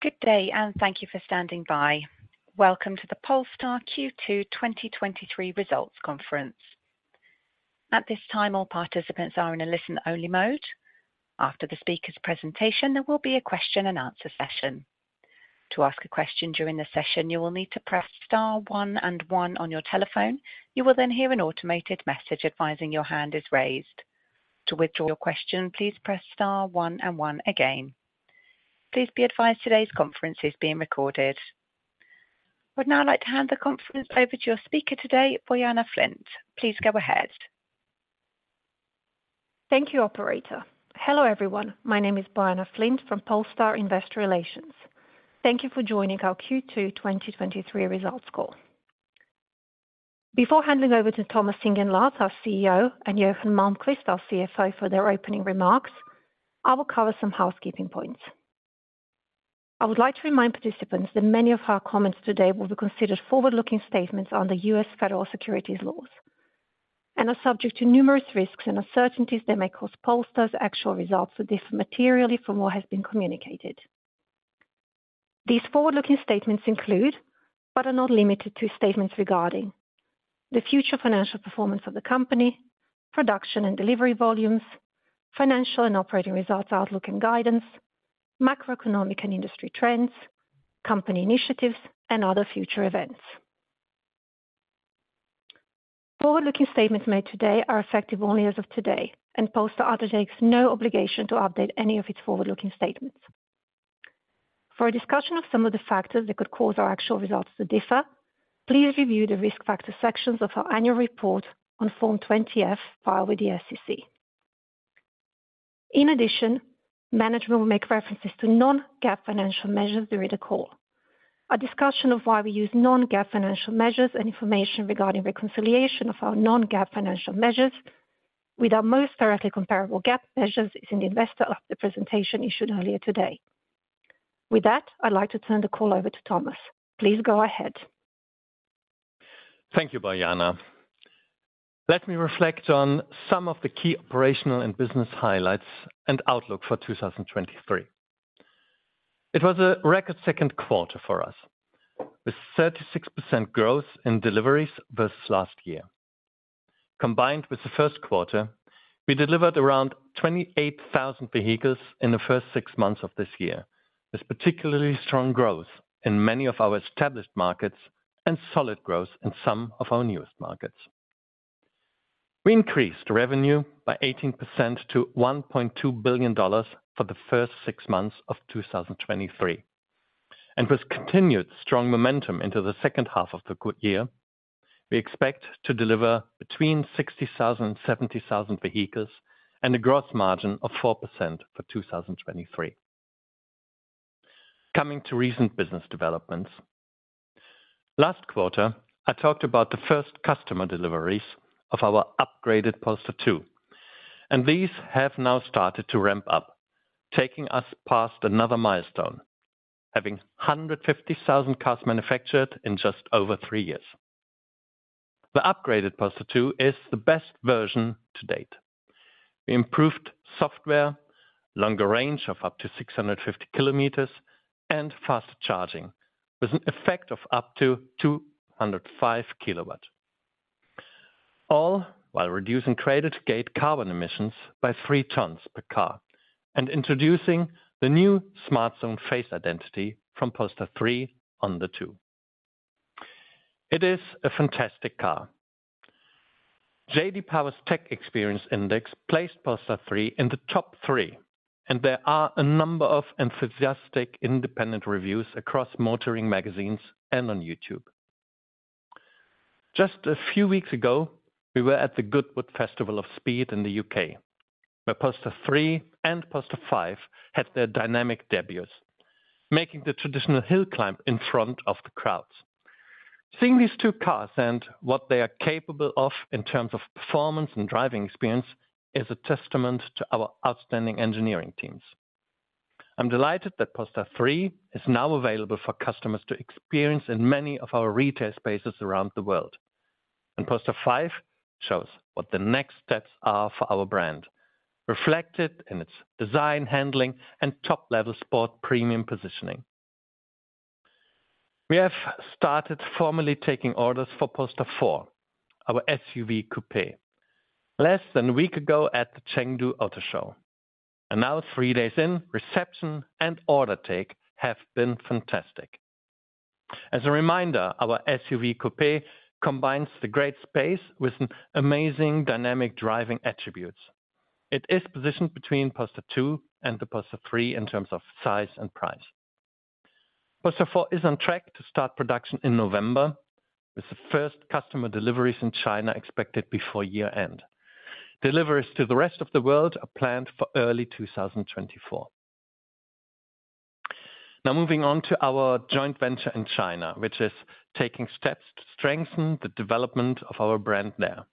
Good day, and thank you for standing by. Welcome to the Polestar Q2 2023 Results Conference. At this time, all participants are in a listen-only mode. After the speaker's presentation, there will be a question-and-answer session. To ask a question during the session, you will need to press star one and one on your telephone. You will then hear an automated message advising your hand is raised. To withdraw your question, please press star one and one again. Please be advised today's conference is being recorded. I would now like to hand the conference over to your speaker today, Bojana Flint. Please go ahead. Thank you, operator. Hello, everyone. My name is Bojana Flint from Polestar Investor Relations. Thank you for joining our Q2 2023 results call. Before handing over to Thomas Ingenlath, our CEO, and Johan Malmqvist, our CFO, for their opening remarks, I will cover some housekeeping points. I would like to remind participants that many of our comments today will be considered forward-looking statements under U.S. federal securities laws and are subject to numerous risks and uncertainties that may cause Polestar's actual results to differ materially from what has been communicated. These forward-looking statements include, but are not limited to, statements regarding the future financial performance of the company, production and delivery volumes, financial and operating results, outlook and guidance, macroeconomic and industry trends, company initiatives, and other future events. Forward-looking statements made today are effective only as of today, and Polestar undertakes no obligation to update any of its forward-looking statements. For a discussion of some of the factors that could cause our actual results to differ, please review the Risk Factors sections of our annual report on Form 20-F filed with the SEC. In addition, management will make references to non-GAAP financial measures during the call. A discussion of why we use non-GAAP financial measures and information regarding reconciliation of our non-GAAP financial measures with our most directly comparable GAAP measures is in the investor presentation issued earlier today. With that, I'd like to turn the call over to Thomas. Please go ahead. Thank you, Bojana. Let me reflect on some of the key operational and business highlights and outlook for 2023. It was a record second quarter for us, with 36% growth in deliveries versus last year. Combined with the first quarter, we delivered around 28,000 vehicles in the first six months of this year, with particularly strong growth in many of our established markets and solid growth in some of our newest markets. We increased revenue by 18% to $1.2 billion for the first six months of 2023, and with continued strong momentum into the second half of the year, we expect to deliver between 60,000 and 70,000 vehicles and a gross margin of 4% for 2023. Coming to recent business developments. Last quarter, I talked about the first customer deliveries of our upgraded Polestar 2, and these have now started to ramp up, taking us past another milestone, having 150,000 cars manufactured in just over three years. The upgraded Polestar 2 is the best version to date. We improved software, longer range of up to 650 km, and faster charging, with an effect of up to 205 kW. All while reducing cradle-to-gate carbon emissions by 3 tons per car and introducing the new SmartZone face identity from Polestar 3 on the 2. It is a fantastic car. J.D. Power's Tech Experience Index placed Polestar 3 in the top three, and there are a number of enthusiastic independent reviews across motoring magazines and on YouTube. Just a few weeks ago, we were at the Goodwood Festival of Speed in the UK, where Polestar 3 and Polestar 5 had their dynamic debuts, making the traditional hill climb in front of the crowds. Seeing these two cars and what they are capable of in terms of performance and driving experience is a testament to our outstanding engineering teams. I'm delighted that Polestar 3 is now available for customers to experience in many of our retail spaces around the world. Polestar 5 shows what the next steps are for our brand, reflected in its design, handling, and top-level sport premium positioning. We have started formally taking orders for Polestar 4, our SUV coupé, less than a week ago at the Chengdu Auto Show. Now, three days in, reception and order intake have been fantastic. As a reminder, our SUV coupé combines the great space with an amazing dynamic driving attributes. It is positioned between Polestar 2 and the Polestar 3 in terms of size and price. Polestar 4 is on track to start production in November, with the first customer deliveries in China expected before year-end. Deliveries to the rest of the world are planned for early 2024. Now, moving on to our joint venture in China, which is taking steps to strengthen the development of our brand there.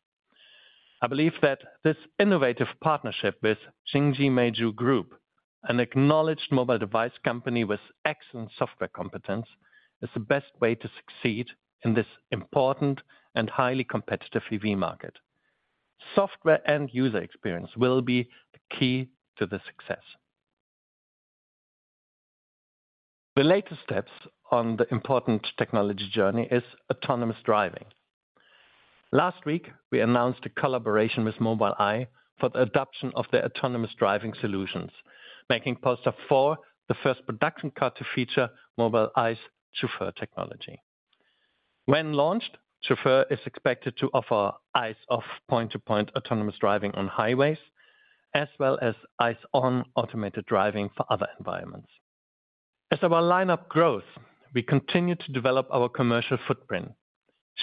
I believe that this innovative partnership with Xingji Meizu Group, an acknowledged mobile device company with excellent software competence, is the best way to succeed in this important and highly competitive EV market. Software and user experience will be key to the success. The latest steps on the important technology journey is autonomous driving. Last week, we announced a collaboration with Mobileye for the adoption of the autonomous driving solutions, making Polestar 4 the first production car to feature Mobileye's Chauffeur technology. When launched, Chauffeur is expected to offer eyes-off point-to-point autonomous driving on highways, as well as eyes-on automated driving for other environments. As our lineup grows, we continue to develop our commercial footprint,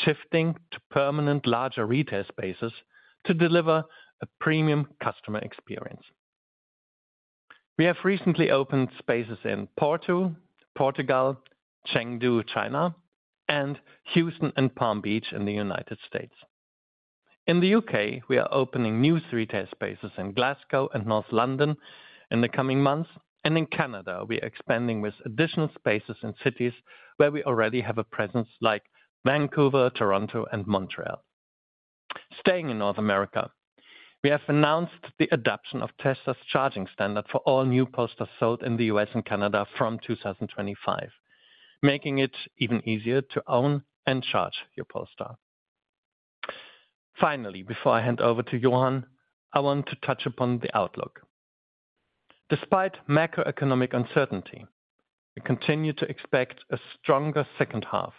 shifting to permanent, larger retail spaces to deliver a premium customer experience. We have recently opened spaces in Porto, Portugal, Chengdu, China, and Houston and Palm Beach in the United States. In the U.K., we are opening three new retail spaces in Glasgow and North London in the coming months, and in Canada, we are expanding with additional spaces in cities where we already have a presence like Vancouver, Toronto, and Montreal. Staying in North America, we have announced the adoption of Tesla's charging standard for all new Polestar sold in the U.S. and Canada from 2025, making it even easier to own and charge your Polestar. Finally, before I hand over to Johan, I want to touch upon the outlook. Despite macroeconomic uncertainty, we continue to expect a stronger second half,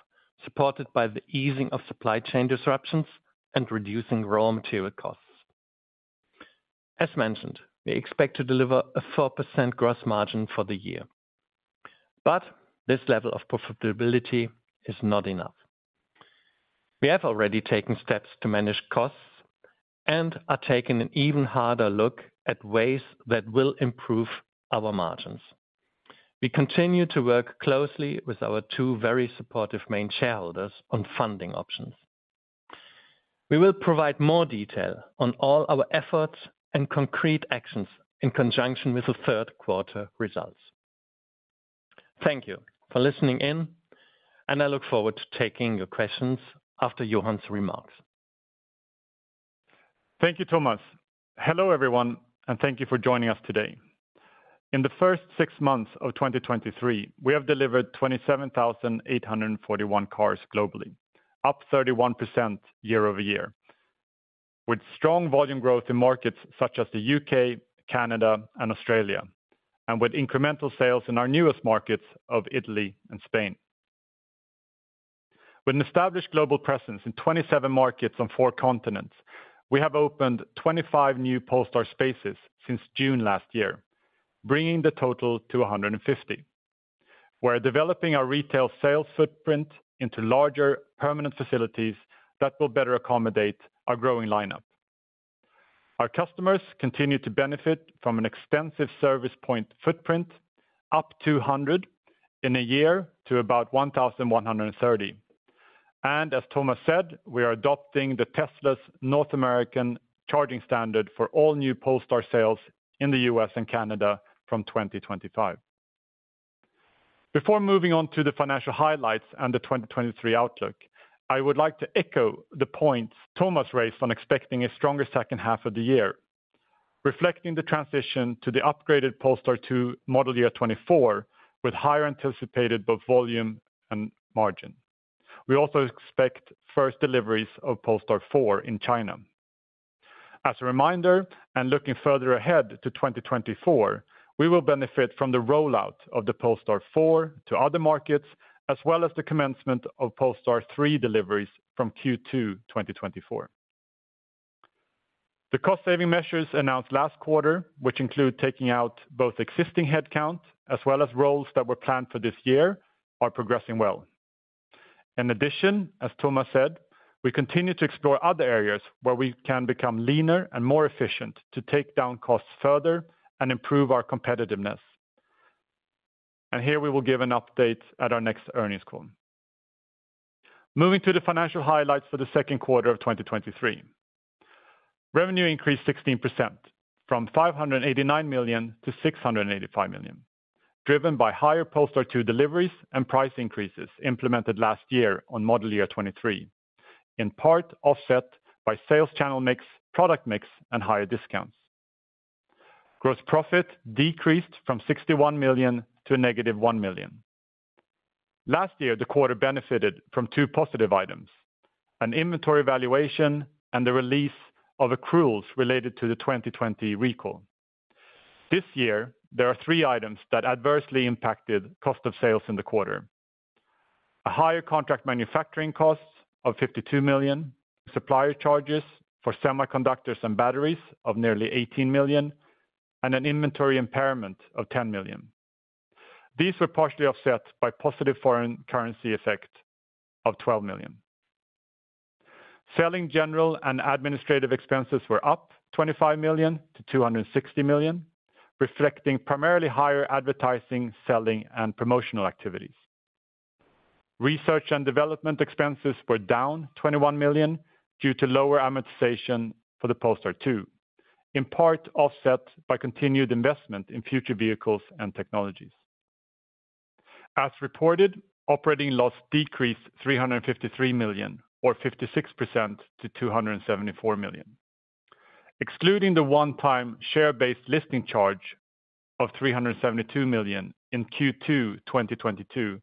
supported by the easing of supply chain disruptions and reducing raw material costs. As mentioned, we expect to deliver a 4% gross margin for the year, but this level of profitability is not enough. We have already taken steps to manage costs and are taking an even harder look at ways that will improve our margins. We continue to work closely with our two very supportive main shareholders on funding options. We will provide more detail on all our efforts and concrete actions in conjunction with the third quarter results. Thank you for listening in, and I look forward to taking your questions after Johan's remarks. Thank you, Thomas. Hello, everyone, and thank you for joining us today. In the first six months of 2023, we have delivered 27,841 cars globally, up 31% year-over-year, with strong volume growth in markets such as the U.K., Canada, and Australia, and with incremental sales in our newest markets of Italy and Spain. With an established global presence in 27 markets on four continents, we have opened 25 new Polestar spaces since June last year, bringing the total to 150. We're developing our retail sales footprint into larger, permanent facilities that will better accommodate our growing lineup. Our customers continue to benefit from an extensive service point footprint, up to 100 in a year to about 1,130. As Thomas said, we are adopting Tesla's North American Charging Standard for all new Polestar sales in the U.S. and Canada from 2025. Before moving on to the financial highlights and the 2023 outlook, I would like to echo the points Thomas raised on expecting a stronger second half of the year, reflecting the transition to the upgraded Polestar 2 model year 2024, with higher anticipated both volume and margin. We also expect first deliveries of Polestar 4 in China. As a reminder, and looking further ahead to 2024, we will benefit from the rollout of the Polestar 4 to other markets, as well as the commencement of Polestar 3 deliveries from Q2 2024. The cost-saving measures announced last quarter, which include taking out both existing headcount as well as roles that were planned for this year, are progressing well. In addition, as Thomas said, we continue to explore other areas where we can become leaner and more efficient to take down costs further and improve our competitiveness. Here we will give an update at our next earnings call. Moving to the financial highlights for the second quarter of 2023. Revenue increased 16%, from $589 million to $685 million, driven by higher Polestar 2 deliveries and price increases implemented last year on model year 2023, in part offset by sales channel mix, product mix, and higher discounts. Gross profit decreased from $61 million to -$1 million. Last year, the quarter benefited from two positive items, an inventory valuation and the release of accruals related to the 2020 recall. This year, there are three items that adversely impacted cost of sales in the quarter: higher contract manufacturing costs of $52 million, supplier charges for semiconductors and batteries of nearly $18 million, and an inventory impairment of $10 million. These were partially offset by positive foreign currency effect of $12 million. Selling general and administrative expenses were up $25 million to $260 million, reflecting primarily higher advertising, selling, and promotional activities. Research and development expenses were down $21 million due to lower amortization for the Polestar 2, in part offset by continued investment in future vehicles and technologies. As reported, operating loss decreased $353 million, or 56% to $274 million. Excluding the one-time share-based listing charge of $372 million in Q2 2022,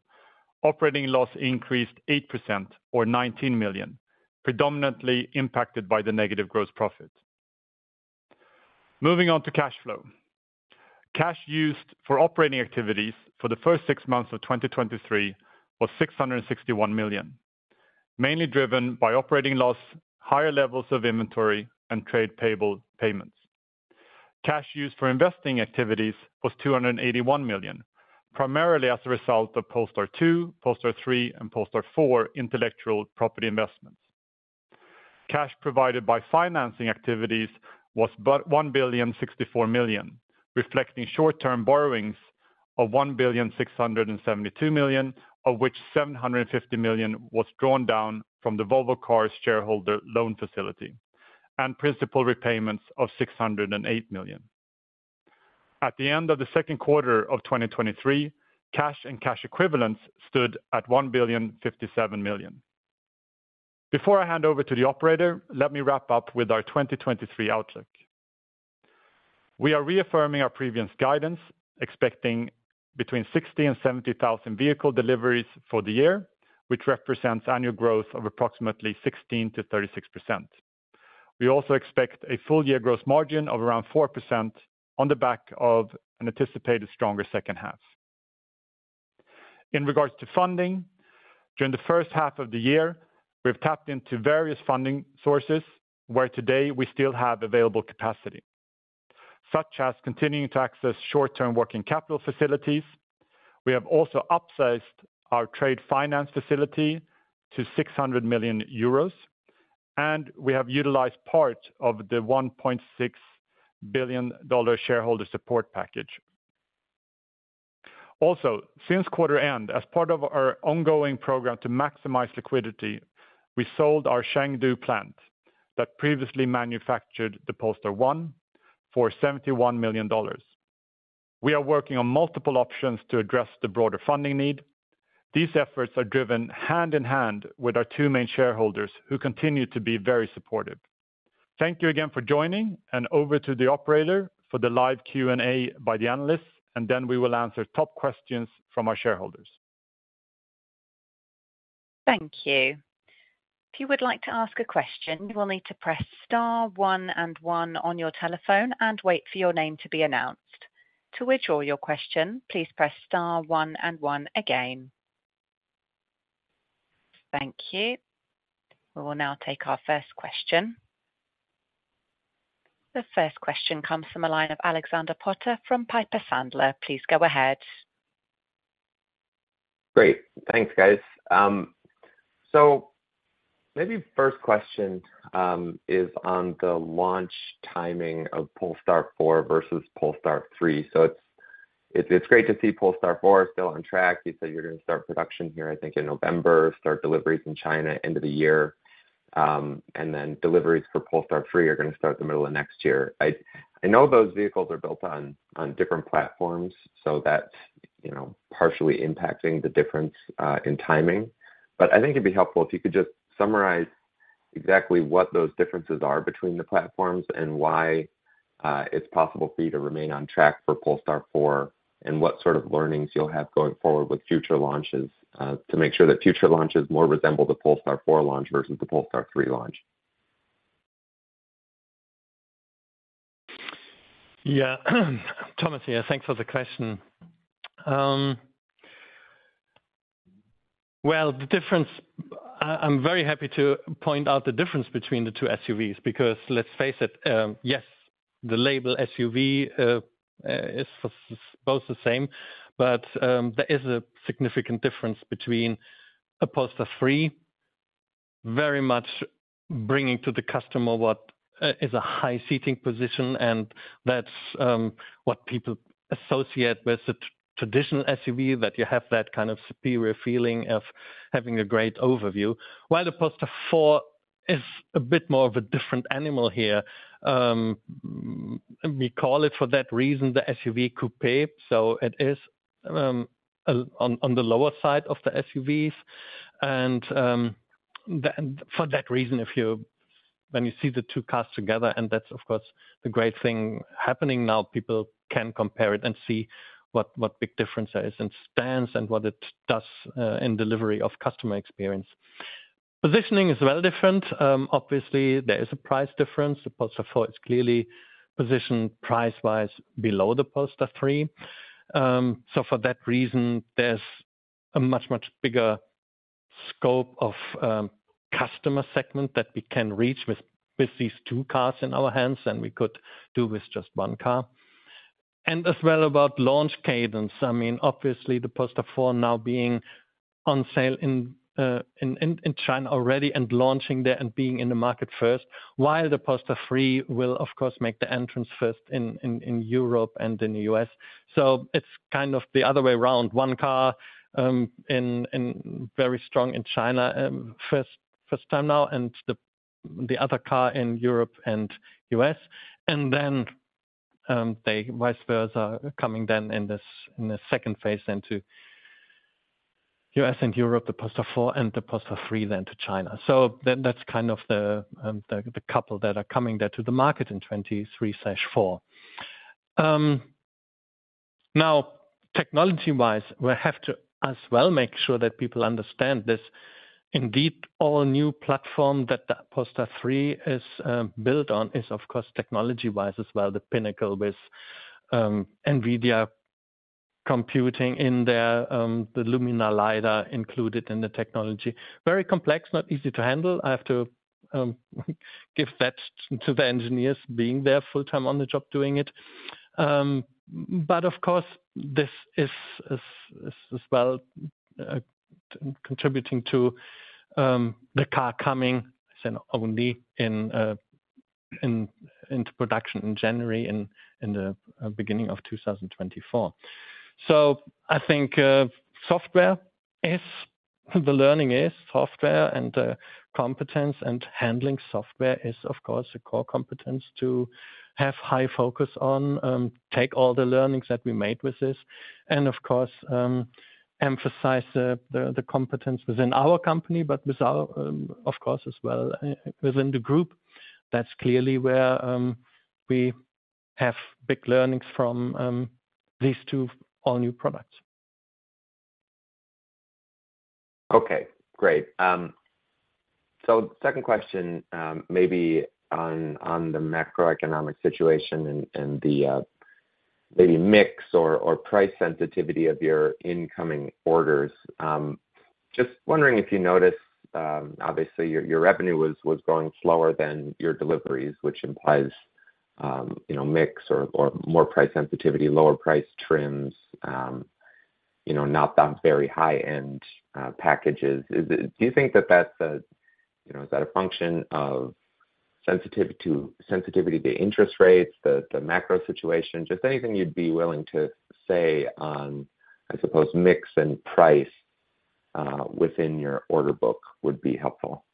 operating loss increased 8% or $19 million, predominantly impacted by the negative gross profit. Moving on to cash flow. Cash used for operating activities for the first six months of 2023 was $661 million, mainly driven by operating loss, higher levels of inventory, and trade payable payments. Cash used for investing activities was $281 million, primarily as a result of Polestar 2, Polestar 3, and Polestar 4 intellectual property investments. Cash provided by financing activities was $1,064 million, reflecting short-term borrowings of $1,672 million, of which $750 million was drawn down from the Volvo Cars shareholder loan facility, and principal repayments of $608 million. At the end of the second quarter of 2023, cash and cash equivalents stood at $1,057 million. Before I hand over to the operator, let me wrap up with our 2023 outlook. We are reaffirming our previous guidance, expecting between 60,000 and 70,000 vehicle deliveries for the year, which represents annual growth of approximately 16%-36%. We also expect a full year gross margin of around 4% on the back of an anticipated stronger second half. In regards to funding, during the first half of the year, we've tapped into various funding sources, where today we still have available capacity, such as continuing to access short-term working capital facilities. We have also upsized our trade finance facility to 600 million euros, and we have utilized part of the $1.6 billion shareholder support package. Also, since quarter end, as part of our ongoing program to maximize liquidity, we sold our Chengdu plant that previously manufactured the Polestar 1 for $71 million. We are working on multiple options to address the broader funding need. These efforts are driven hand in hand with our two main shareholders, who continue to be very supportive. Thank you again for joining, and over to the operator for the live Q&A by the analysts, and then we will answer top questions from our shareholders. Thank you. If you would like to ask a question, you will need to press star one and one on your telephone and wait for your name to be announced. To withdraw your question, please press star one and one again. Thank you. We will now take our first question. The first question comes from the line of Alexander Potter from Piper Sandler. Please go ahead. Great. Thanks, guys. So maybe first question is on the launch timing of Polestar 4 versus Polestar 3. So it's great to see Polestar 4 still on track. You said you're going to start production here, I think in November, start deliveries in China end of the year, and then deliveries for Polestar 3 are going to start in the middle of next year. I know those vehicles are built on different platforms, so that's, you know, partially impacting the difference in timing. I think it'd be helpful if you could just summarize exactly what those differences are between the platforms and why it's possible for you to remain on track for Polestar 4, and what sort of learnings you'll have going forward with future launches to make sure that future launches more resemble the Polestar 4 launch versus the Polestar 3 launch. Yeah. Thomas here. Thanks for the question. Well, the difference, I'm very happy to point out the difference between the two SUVs, because let's face it, yes, the label SUV is both the same, but, there is a significant difference between a Polestar 3, very much bringing to the customer what is a high seating position, and that's what people associate with the traditional SUV, that you have that kind of superior feeling of having a great overview. While the Polestar 4 is a bit more of a different animal here, we call it for that reason, the SUV coupé, so it is on, on the lower side of the SUVs. For that reason, if you, when you see the two cars together, and that's, of course, the great thing happening now, people can compare it and see what big difference there is and stands and what it does in delivery of customer experience. Positioning is well different. Obviously, there is a price difference. The Polestar 4 is clearly positioned price-wise below the Polestar 3. So for that reason, there's a much, much bigger scope of customer segment that we can reach with these two cars in our hands than we could do with just one car. And as well about launch cadence, I mean, obviously the Polestar 4 now being on sale in China already and launching there and being in the market first, while the Polestar 3 will, of course, make the entrance first in Europe and in the U.S. So it's kind of the other way around. One car in very strong in China first time now, and the other car in Europe and U.S. And then the Polestars are coming then in this, in the second phase, into U.S. and Europe, the Polestar 4 and the Polestar 3, then to China. So then that's kind of the couple that are coming there to the market in 2023/24. Now, technology-wise, we have to as well make sure that people understand this. Indeed, all new platform that Polestar 3 is built on is, of course, technology-wise as well, the pinnacle with NVIDIA computing in there, the Luminar LiDAR included in the technology. Very complex, not easy to handle. I have to give that to the engineers, being there full-time on the job, doing it. But of course, this is as well contributing to the car coming, so only into production in January, in the beginning of 2024. So I think software is the learning is software, and competence and handling software is, of course, a core competence to have high focus on. Take all the learnings that we made with this and of course emphasize the competence within our company, but with our of course as well within the group. That's clearly where we have big learnings from these two all-new products. Okay, great. So second question, maybe on the macroeconomic situation and the maybe mix or price sensitivity of your incoming orders. Just wondering if you noticed, obviously, your revenue was growing slower than your deliveries, which implies, you know, mix or more price sensitivity, lower price trends, you know, not the very high-end packages. Is it? Do you think that that's a, you know, is that a function of sensitivity to sensitivity to interest rates, the macro situation? Just anything you'd be willing to say on, I suppose, mix and price within your order book, would be helpful.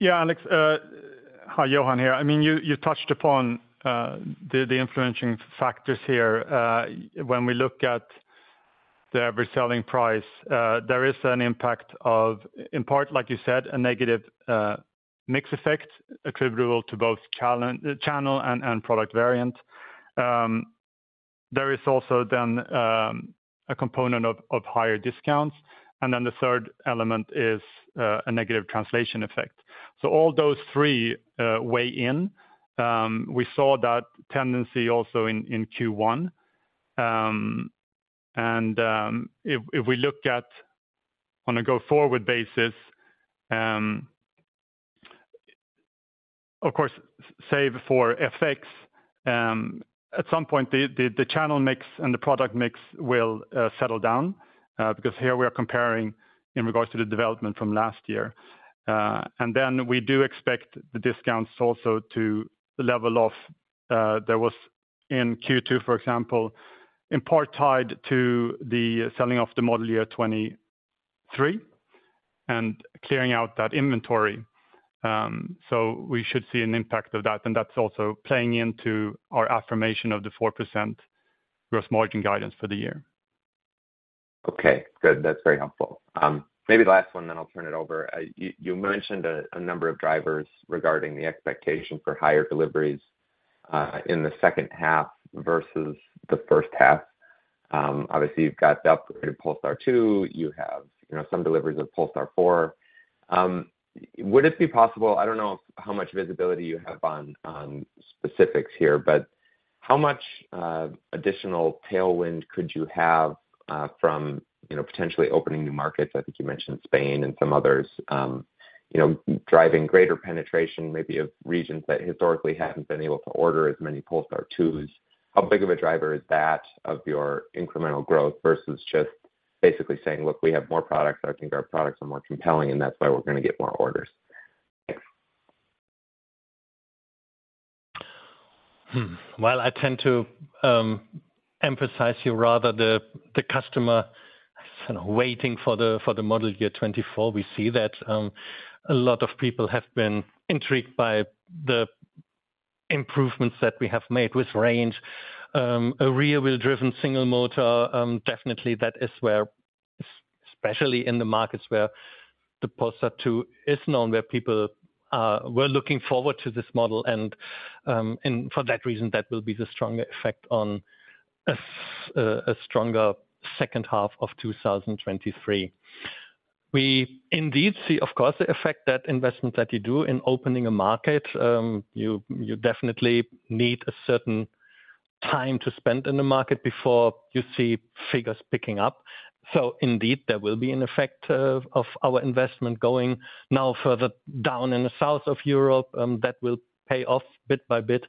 Yeah, Alex, hi, Johan here. I mean, you touched upon the influencing factors here. When we look at the reselling price, there is an impact of, in part, like you said, a negative mix effect attributable to both the channel and product variant. There is also then a component of higher discounts, and then the third element is a negative translation effect. So all those three weigh in. We saw that tendency also in Q1. And if we look at on a go-forward basis, of course, save for effects, at some point, the channel mix and the product mix will settle down, because here we are comparing in regards to the development from last year. And then we do expect the discounts also to level off. There was in Q2, for example, in part tied to the selling of the model year 2023 and clearing out that inventory. So we should see an impact of that, and that's also playing into our affirmation of the 4% gross margin guidance for the year. Okay, good. That's very helpful. Maybe the last one, then I'll turn it over. You mentioned a number of drivers regarding the expectation for higher deliveries in the second half versus the first half. Obviously, you've got the upgraded Polestar 2, you have, you know, some deliveries of Polestar 4. Would it be possible—I don't know how much visibility you have on specifics here, but how much additional tailwind could you have from, you know, potentially opening new markets? I think you mentioned Spain and some others. You know, driving greater penetration maybe of regions that historically haven't been able to order as many Polestar 2s. How big of a driver is that of your incremental growth versus just basically saying: "Look, we have more products, I think our products are more compelling, and that's why we're going to get more orders?" Thanks. Hmm. Well, I tend to emphasize here, rather, the customer kind of waiting for the model year 2024. We see that a lot of people have been intrigued by the improvements that we have made with range. A rear-wheel-driven single motor definitely that is where, especially in the markets where the Polestar 2 is known, where people were looking forward to this model, and for that reason, that will be the stronger effect on a stronger second half of 2023. We indeed see, of course, the effect that investment that you do in opening a market. You definitely need a certain time to spend in the market before you see figures picking up. So indeed, there will be an effect of, of our investment going now further down in the south of Europe, that will pay off bit by bit.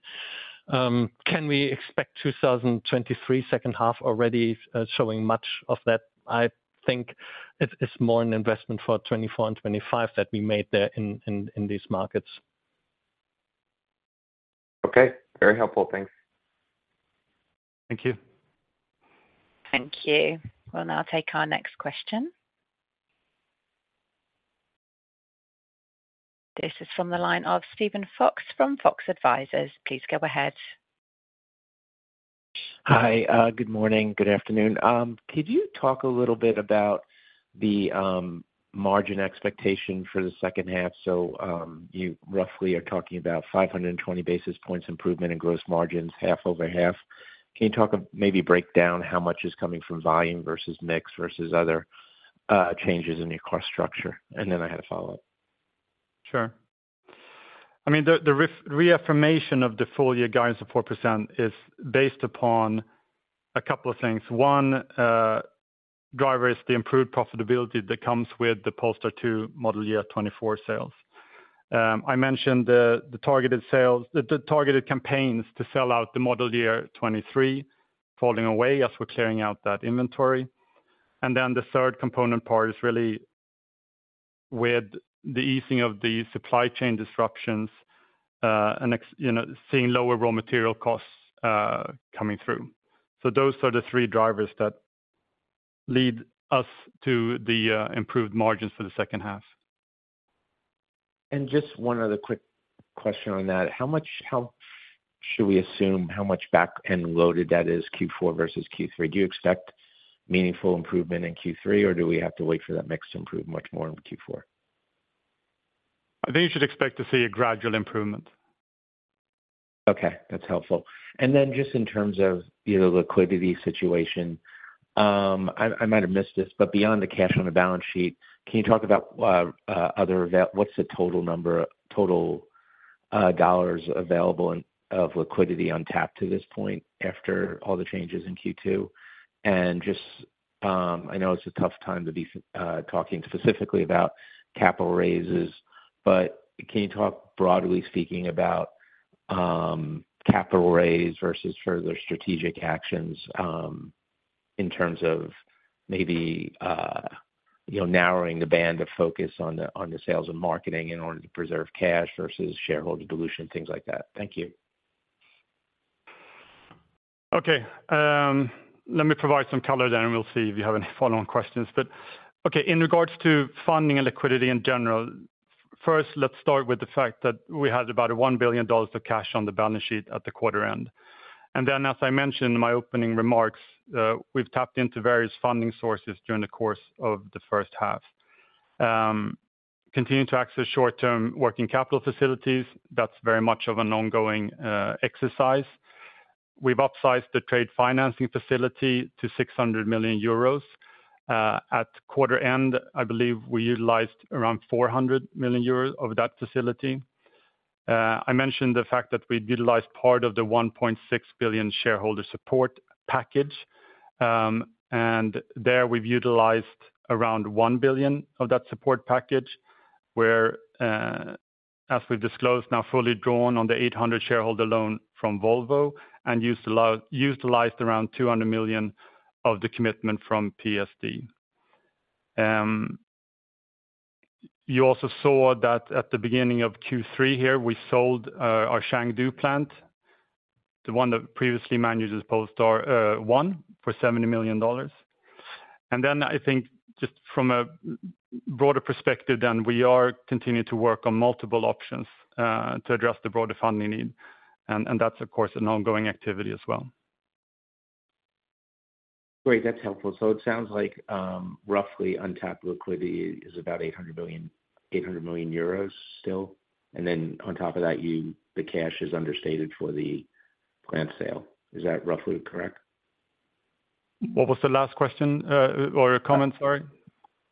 Can we expect 2023, second half already, showing much of that? I think it's, it's more an investment for 2024 and 2025 that we made there in these markets. Okay. Very helpful. Thanks. Thank you. Thank you. We'll now take our next question. This is from the line of Steven Fox from Fox Advisors. Please go ahead. Hi, good morning. Good afternoon. Could you talk a little bit about the margin expectation for the second half? So, you roughly are talking about 520 basis points improvement in gross margins, half over half. Can you talk of, maybe break down how much is coming from volume versus mix, versus other changes in your cost structure? And then I had a follow-up. Sure. I mean, the reaffirmation of the full year guidance of 4% is based upon a couple of things. One, driver is the improved profitability that comes with the Polestar 2 model year 2024 sales. I mentioned the targeted sales, the targeted campaigns to sell out the model year 2023, falling away as we're clearing out that inventory. And then the third component part is really with the easing of the supply chain disruptions, and expecting, you know, seeing lower raw material costs coming through. So those are the three drivers that lead us to the improved margins for the second half. Just one other quick question on that. How much, how should we assume, how much back end loaded that is, Q4 versus Q3? Do you expect meaningful improvement in Q3, or do we have to wait for that mix to improve much more in Q4? I think you should expect to see a gradual improvement. Okay, that's helpful. And then just in terms of, you know, liquidity situation, I might have missed this, but beyond the cash on the balance sheet, can you talk about other than that, what's the total dollars available and of liquidity untapped to this point, after all the changes in Q2? And just, I know it's a tough time to be talking specifically about capital raises, but can you talk broadly speaking about capital raise versus further strategic actions, in terms of maybe, you know, narrowing the band of focus on the sales and marketing in order to preserve cash versus shareholder dilution, things like that? Thank you. Okay, let me provide some color then, and we'll see if you have any follow-on questions. But, okay, in regards to funding and liquidity in general, first, let's start with the fact that we had about $1 billion of cash on the balance sheet at the quarter end. And then, as I mentioned in my opening remarks, we've tapped into various funding sources during the course of the first half. Continuing to access short-term working capital facilities, that's very much of an ongoing exercise. We've upsized the trade financing facility to 600 million euros. At quarter end, I believe we utilized around 400 million euros of that facility. I mentioned the fact that we'd utilized part of the $1.6 billion shareholder support package, and there we've utilized around $1 billion of that support package, where, as we've disclosed, now fully drawn on the $800 million shareholder loan from Volvo and utilized around $200 million of the commitment from PSD. You also saw that at the beginning of Q3 here, we sold our Chengdu plant, the one that previously managed Polestar 1 for $70 million. And then I think just from a broader perspective then, we are continuing to work on multiple options to address the broader funding need, and that's of course an ongoing activity as well. Great. That's helpful. So it sounds like, roughly untapped liquidity is about 800 million euros still. And then on top of that, the cash is understated for the plant sale. Is that roughly correct? What was the last question, or comment, sorry?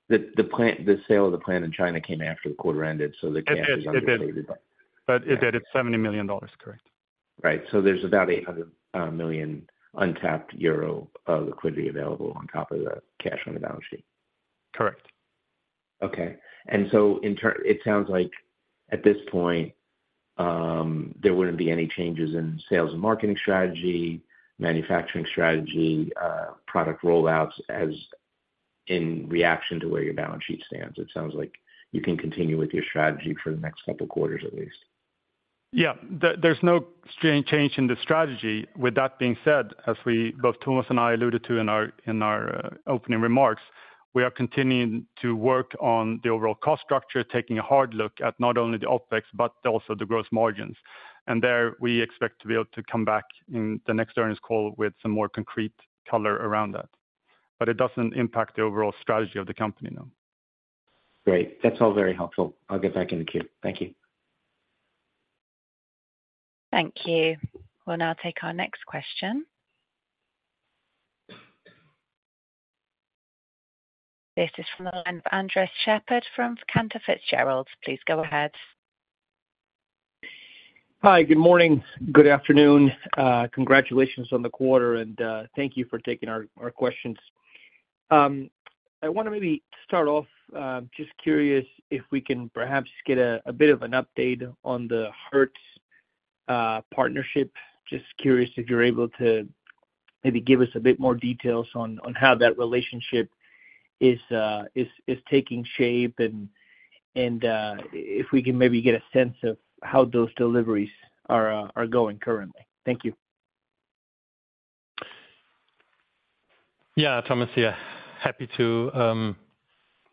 The plant, the sale of the plant in China came after the quarter ended, so the cash is understated. It did. But it did, it's $70 million, correct? Right. So there's about 800 million euro untapped liquidity available on top of the cash on the balance sheet. Correct. Okay. And so it sounds like at this point, there wouldn't be any changes in sales and marketing strategy, manufacturing strategy, product rollouts, as in reaction to where your balance sheet stands. It sounds like you can continue with your strategy for the next couple quarters, at least. Yeah. There's no strange change in the strategy. With that being said, as we, both Thomas and I alluded to in our opening remarks, we are continuing to work on the overall cost structure, taking a hard look at not only the OPEX, but also the gross margins. And there, we expect to be able to come back in the next earnings call with some more concrete color around that. But it doesn't impact the overall strategy of the company, no. Great, that's all very helpful. I'll get back in the queue. Thank you. Thank you. We'll now take our next question. This is from the line of Andres Sheppard from Cantor Fitzgerald. Please go ahead. Hi, good morning. Good afternoon, congratulations on the quarter, and thank you for taking our questions. I wanna maybe start off, just curious if we can perhaps get a bit of an update on the Hertz partnership. Just curious if you're able to maybe give us a bit more details on how that relationship is taking shape, and if we can maybe get a sense of how those deliveries are going currently. Thank you. Yeah, Thomas, yeah. Happy to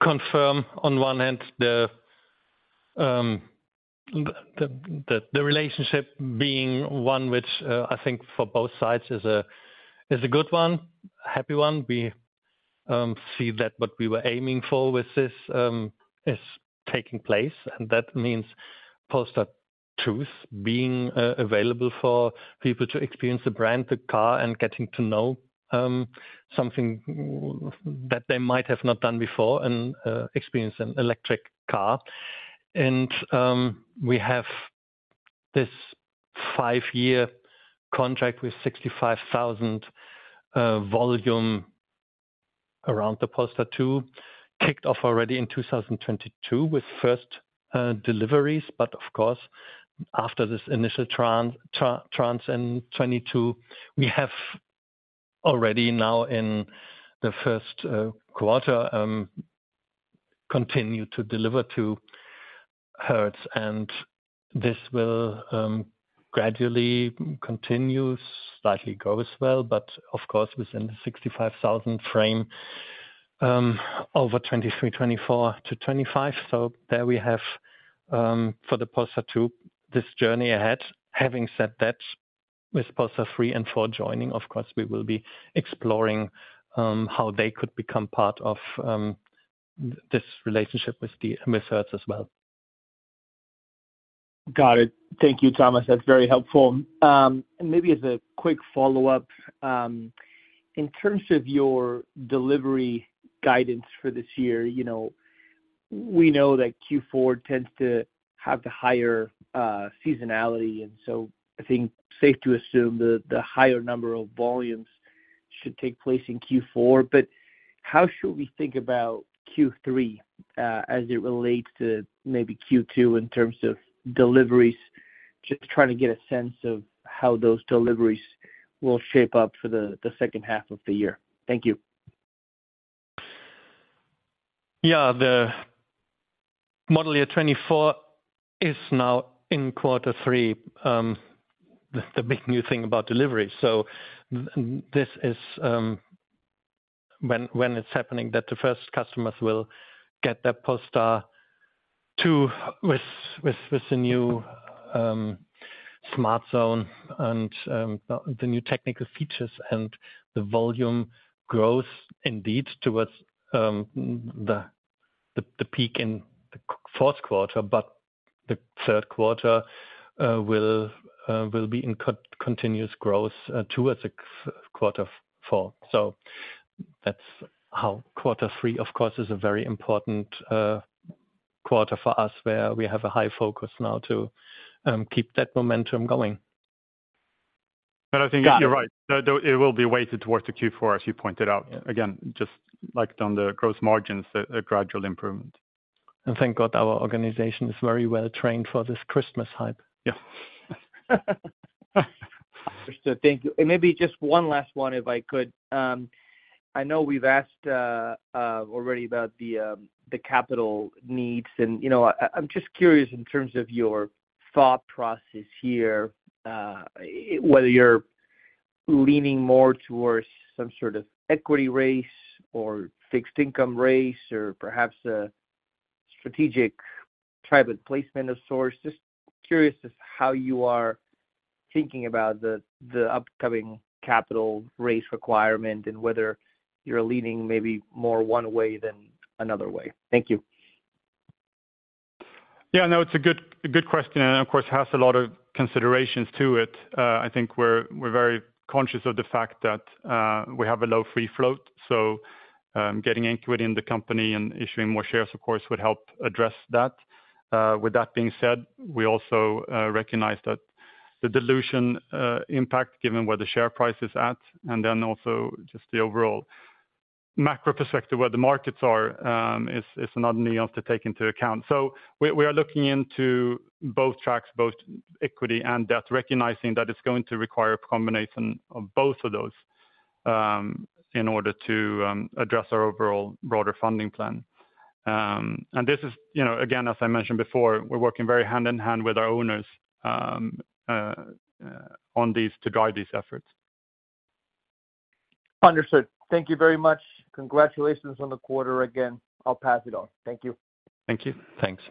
confirm on one end, the relationship being one which I think for both sides is a good one, a happy one. We see that what we were aiming for with this is taking place, and that means Polestar 2s being available for people to experience the brand, the car, and getting to know something that they might have not done before and experience an electric car. And we have this five-year contract with 65,000 volume around the Polestar 2, kicked off already in 2022, with first deliveries. But of course, after this initial tranche in 2022, we have already now in the first quarter continued to deliver to Hertz. And this will gradually continue, slightly grow as well, but of course, within the 65,000 frame, over 2023, 2024 to 2025. So there we have, for the Polestar 2, this journey ahead. Having said that, with Polestar 3 and 4 joining, of course, we will be exploring how they could become part of this relationship with Hertz as well. Got it. Thank you, Thomas. That's very helpful. And maybe as a quick follow-up, in terms of your delivery guidance for this year, you know, we know that Q4 tends to have the higher seasonality, and so I think safe to assume the higher number of volumes should take place in Q4. But how should we think about Q3 as it relates to maybe Q2 in terms of deliveries? Just trying to get a sense of how those deliveries will shape up for the second half of the year. Thank you. Yeah, the model year 2024 is now in quarter three. The big new thing about delivery. So this is when it's happening, that the first customers will get their Polestar 2 with the new SmartZone and the new technical features and the volume growth indeed, towards the peak in the fourth quarter. But the third quarter will be in continuous growth towards quarter four. So that's how quarter three, of course, is a very important quarter for us, where we have a high focus now to keep that momentum going. I think you're right. Got it. It will be weighted towards the Q4, as you pointed out. Yeah. Again, just like on the gross margins, a gradual improvement. Thank God, our organization is very well trained for this Christmas hype. Yeah. Understood. Thank you. And maybe just one last one, if I could. I know we've asked already about the capital needs, and, you know, I'm just curious in terms of your thought process here, whether you're leaning more towards some sort of equity raise or fixed income raise or perhaps a strategic private placement of sorts. Just curious as to how you are thinking about the upcoming capital raise requirement, and whether you're leaning maybe more one way than another way. Thank you. Yeah, no, it's a good question, and of course, it has a lot of considerations to it. I think we're, we're very conscious of the fact that we have a low free float, so getting equity in the company and issuing more shares, of course, would help address that. With that being said, we also recognize that the dilution impact, given where the share price is at, and then also just the overall macro perspective, where the markets are, is, is another nuance to take into account. So we, we are looking into both tracks, both equity and debt, recognizing that it's going to require a combination of both of those in order to address our overall broader funding plan. And this is, you know, again, as I mentioned before, we're working very hand in hand with our owners on these to guide these efforts. Understood. Thank you very much. Congratulations on the quarter again. I'll pass it on. Thank you. Thank you. Thanks.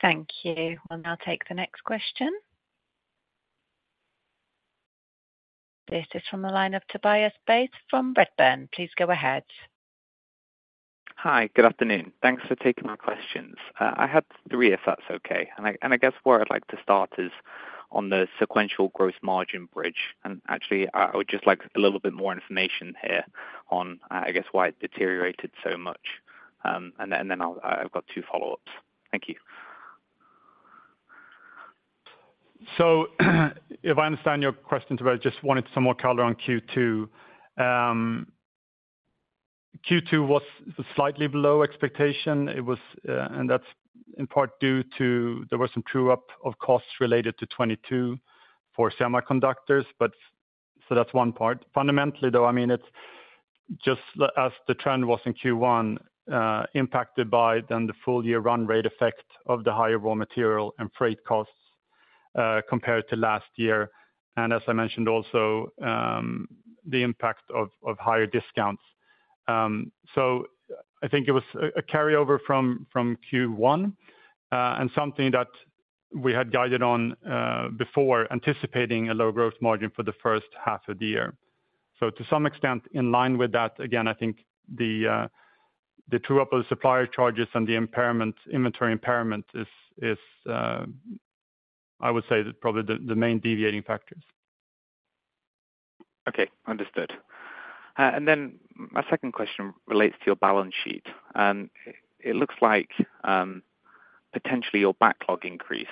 Thank you. We'll now take the next question. This is from the line of Tobias Beith from Redburn. Please go ahead. Hi. Good afternoon. Thanks for taking my questions. I had three, if that's okay, and I guess where I'd like to start is on the sequential growth margin bridge. And actually, I would just like a little bit more information here on, I guess, why it deteriorated so much. And then, I've got two follow-ups. Thank you. So, if I understand your question, Tobias, just wanted some more color on Q2. Q2 was slightly below expectation. It was, and that's in part due to, there were some true up of costs related to 2022 for semiconductors, but so that's one part. Fundamentally, though, I mean, just as the trend was in Q1, impacted by the full year run rate effect of the higher raw material and freight costs, compared to last year. And as I mentioned also, the impact of higher discounts. So I think it was a carryover from Q1, and something that we had guided on, before anticipating a low gross margin for the first half of the year. So to some extent, in line with that, again, I think the true upper supplier charges and the impairment, inventory impairment is, I would say that probably the main deviating factors. Okay, understood. Then my second question relates to your balance sheet. It looks like, potentially, your backlog increase.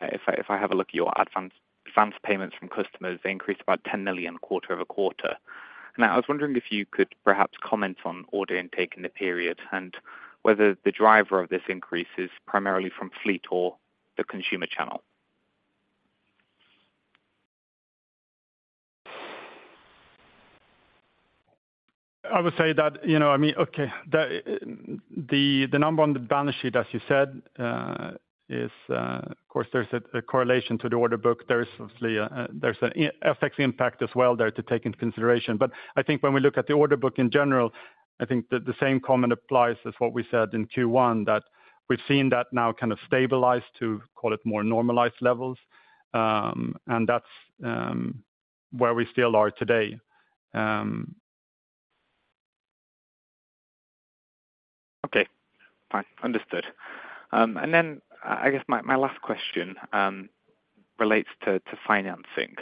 If I have a look at your advance payments from customers, they increased about $10 million quarter-over-quarter. Now, I was wondering if you could perhaps comment on order intake in the period, and whether the driver of this increase is primarily from fleet or the consumer channel? I would say that, you know, I mean, okay, the number on the balance sheet, as you said, is, of course, there's a correlation to the order book. There is obviously a, there's an FX impact as well there to take into consideration. But I think when we look at the order book in general, I think that the same comment applies as what we said in Q1, that we've seen that now kind of stabilize to call it more normalized levels. And that's where we still are today. Okay, fine. Understood. And then, I guess my, my last question relates to, to financing.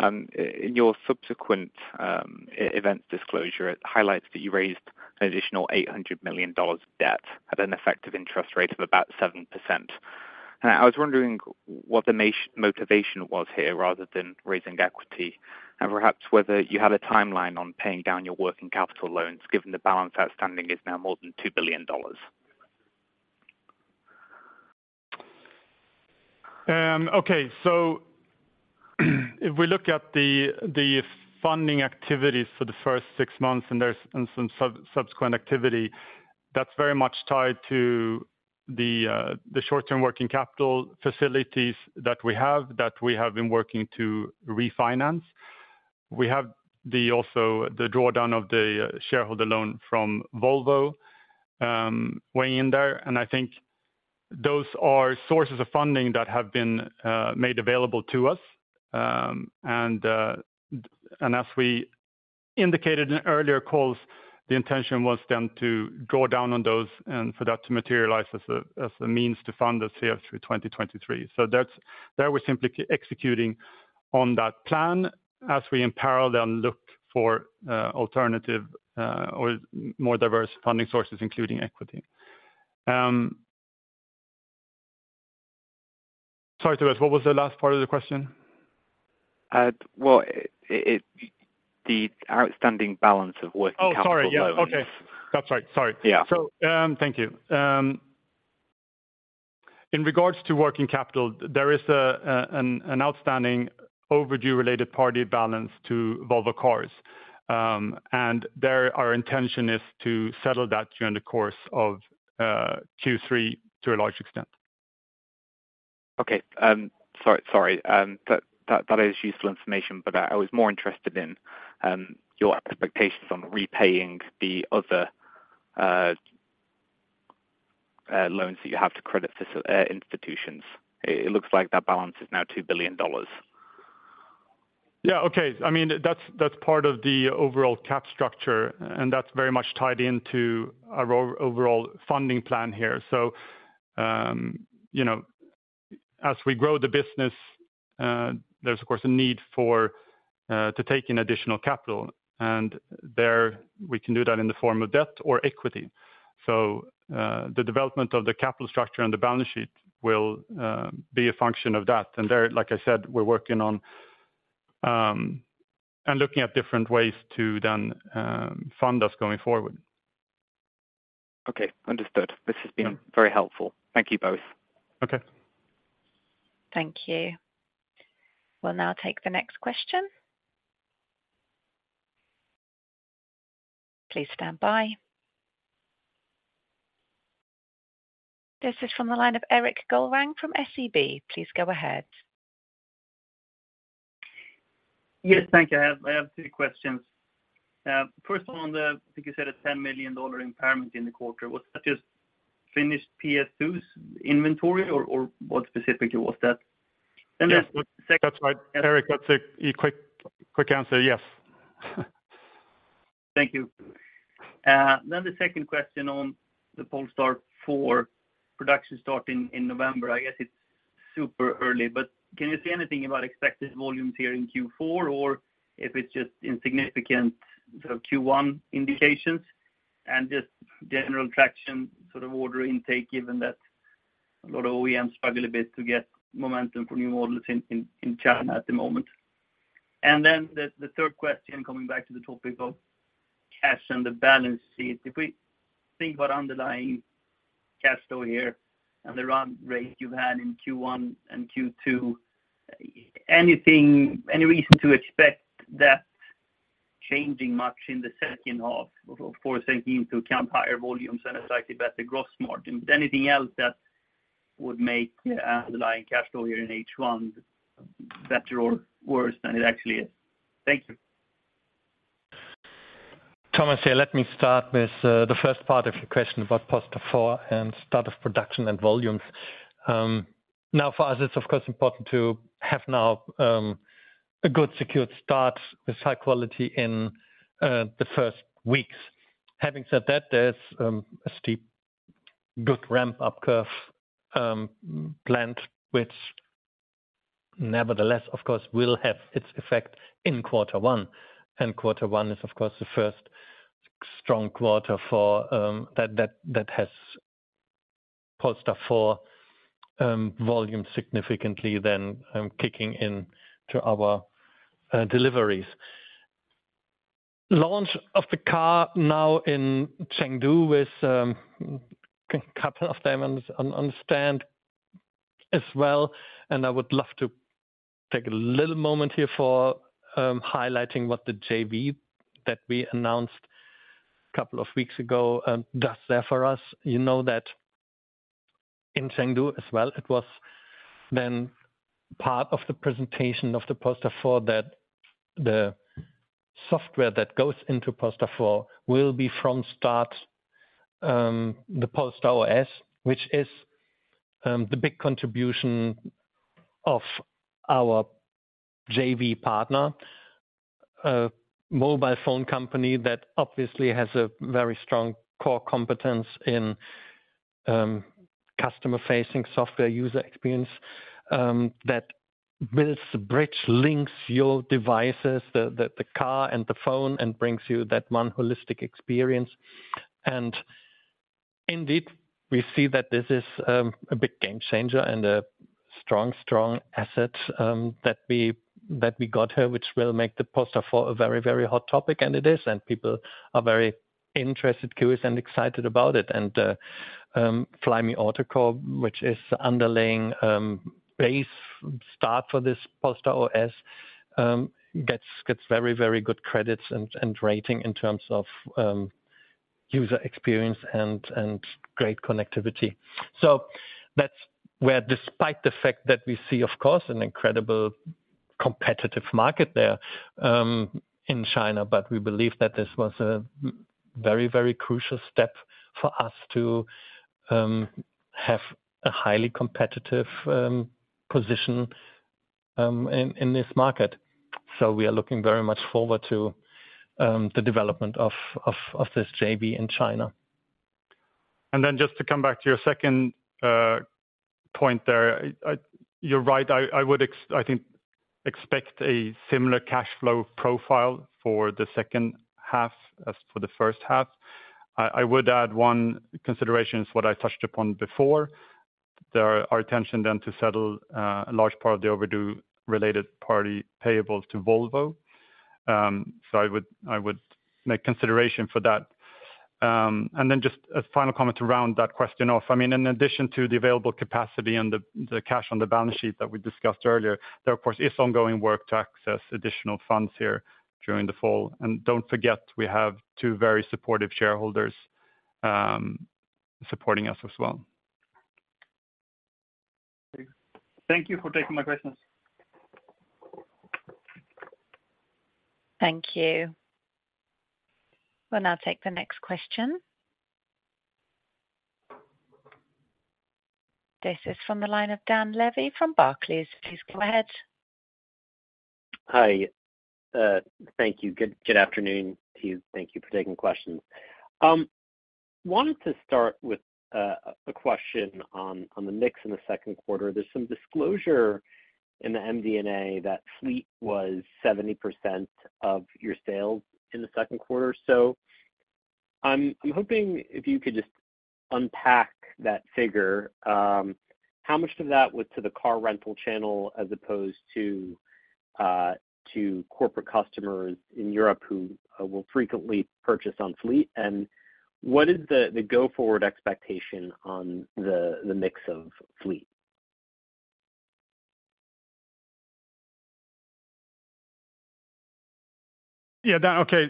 In your subsequent, event disclosure, it highlights that you raised an additional $800 million debt at an effective interest rate of about 7%. And I was wondering what the motivation was here rather than raising equity, and perhaps whether you had a timeline on paying down your working capital loans, given the balance outstanding is now more than $2 billion. Okay. So, if we look at the funding activities for the first six months, and there's some subsequent activity, that's very much tied to the short-term working capital facilities that we have, that we have been working to refinance. We have also the drawdown of the shareholder loan from Volvo weighing in there, and I think those are sources of funding that have been made available to us. And as we indicated in earlier calls, the intention was then to go down on those and for that to materialize as a means to fund the CF through 2023. So that's there we're simply executing on that plan as we in parallel then look for alternative or more diverse funding sources, including equity. Sorry, Tobias, what was the last part of the question? Well, the outstanding balance of working capital. Oh, sorry. Yeah. Okay. That's right. Sorry. Yeah. Thank you. In regards to working capital, there is an outstanding overdue related party balance to Volvo Cars. And our intention is to settle that during the course of Q3 to a large extent. Okay. Sorry, that is useful information, but I was more interested in your expectations on repaying the other loans that you have to credit facility institutions. It looks like that balance is now $2 billion. Yeah. Okay. I mean, that's part of the overall capital structure, and that's very much tied into our overall funding plan here. So, you know, as we grow the business, there's of course a need for to take in additional capital, and there we can do that in the form of debt or equity. So, the development of the capital structure and the balance sheet will be a function of that. And there, like I said, we're working on and looking at different ways to then fund us going forward. Okay, understood. This has been very helpful. Thank you both. Okay. Thank you. We'll now take the next question. Please stand by. This is from the line of Erik Golrang from SEB. Please go ahead. Yes, thank you. I have two questions. First, on the, I think you said a $10 million impairment in the quarter. Was that just finished PS2's inventory or what specifically was that? Yeah. And the second- That's right. Erik, that's a quick answer. Yes. Thank you. Then the second question on the Polestar 4 production starting in November. I guess it's super early, but can you say anything about expected volumes here in Q4, or if it's just insignificant, the Q1 indications? And just general traction, sort of order intake, given that a lot of OEMs struggle a bit to get momentum for new orders in China at the moment. And then the third question, coming back to the topic of cash and the balance sheet. If we think about underlying cash flow here and the run rate you've had in Q1 and Q2, anything, any reason to expect that changing much in the second half of 2024, thinking to count higher volumes and a slightly better gross margin? But anything else that would make underlying cash flow here in H1 better or worse than it actually is? Thank you. Thomas, here, let me start with, the first part of your question about Polestar 4 and start of production and volumes. Now, for us, it's of course, important to have now, a good secured start with high quality in, the first weeks. Having said that, there's, a steep, good ramp-up curve, planned, which nevertheless, of course, will have its effect in quarter one. Quarter one is, of course, the first strong quarter for, that has Polestar 4, volume significantly then, kicking in to our, deliveries. Launch of the car now in Chengdu with, a couple of them on stand as well, and I would love to take a little moment here for, highlighting what the JV that we announced a couple of weeks ago, does there for us. You know that in Chengdu as well, it was then part of the presentation of the Polestar 4, that the software that goes into Polestar 4 will be from start, the Polestar OS, which is, the big contribution of our JV partner, a mobile phone company that obviously has a very strong core competence in, customer-facing software user experience, that builds the bridge, links your devices, the car and the phone, and brings you that one holistic experience. And indeed, we see that this is, a big game changer and a strong, strong asset, that we got here, which will make the Polestar 4 a very, very hot topic, and it is, and people are very interested, curious, and excited about it. Flyme Auto, which is underlying base start for this Polestar OS, gets very, very good credits and rating in terms of user experience and great connectivity. So that's where, despite the fact that we see, of course, an incredible competitive market there in China, but we believe that this was a very, very crucial step for us to have a highly competitive position in this market. So we are looking very much forward to the development of this JV in China. Then just to come back to your second point there, you're right. I would expect a similar cash flow profile for the second half as for the first half. I would add one consideration is what I touched upon before. There is intention to settle a large part of the overdue related party payable to Volvo. So I would make consideration for that. And then just a final comment to round that question off, I mean, in addition to the available capacity and the cash on the balance sheet that we discussed earlier, there of course is ongoing work to access additional funds here during the fall. And don't forget, we have two very supportive shareholders supporting us as well. Thank you for taking my questions. Thank you. We'll now take the next question. This is from the line of Dan Levy from Barclays. Please go ahead. Hi, thank you. Good afternoon to you. Thank you for taking questions. Wanted to start with a question on the mix in the second quarter. There's some disclosure in the MD&A that fleet was 70% of your sales in the second quarter. So I'm hoping if you could just unpack that figure, how much of that went to the car rental channel as opposed to corporate customers in Europe who will frequently purchase on fleet? And what is the go-forward expectation on the mix of fleet? Yeah, Dan okay,